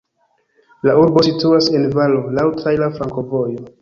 La urbo situas en valo, laŭ traira flankovojo.